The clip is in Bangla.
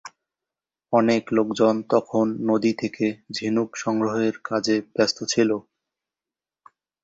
অনেক লোকজন তখন নদী থেকে ঝিনুক সংগ্রহের কাজে ব্যস্ত ছিল।